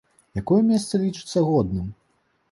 Якое месца лічыцца годным?